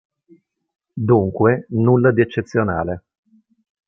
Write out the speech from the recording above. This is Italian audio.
Dunque, nulla di eccezionale.